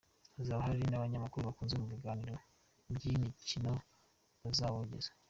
Hazaba hari n’abanyamakuru bakunzwe mu biganiro by’imikino, bazawogeza.